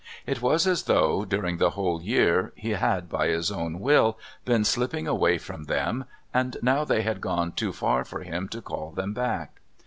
It was as though, during the whole year he had, by his own will, been slipping away from them, and now they had gone too far for him to call them back.